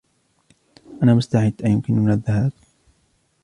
أنا مستعد! أيمكننا الذهاب؟